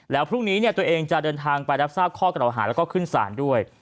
แล้วพรุ่งนี้ตัวเองจะเดินทางไปรับทราบข้อกระดาวหาแล้วก็ขึ้นศาลด้วย